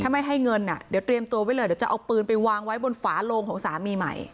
ถ้าไม่ให้เงินเดี๋ยวเตรียมตัวไว้เลยเดี๋ยวจะเอาปืนไปวางไว้บนฝาโลงของสามีใหม่